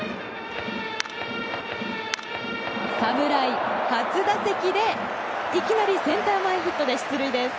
侍初打席でいきなりセンター前ヒットで出塁です。